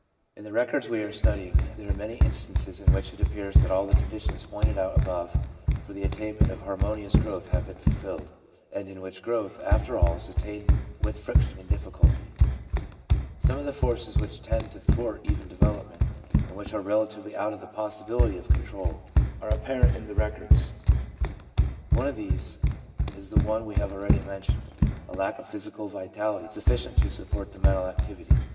In the records we are 1 Foriwi, Vol. X., p. 70, * Formative Influences.' GROWTH WITHOUT DEFINITE TRANSITIONS 307 studying there are many instances in which it appears that all of the conditions pointed out above for the attainment of harmonious growth have been fulfilled, and in which growth, after all, is attended with friction and difficulty. Some of the forces which tend to thwart even development, and which are relatively out of the possibility of control, are apparent in the records. One of these is the one we have already mentioned — a lack of physical vitality sufficient to support the mental activity.